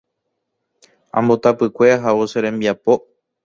Ambotapykue ahávo che rembiapo.